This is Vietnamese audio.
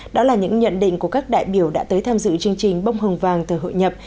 đó là những nhận định của các đại biểu đã tới tham dự chương trình bông hồng vàng từ hội nhập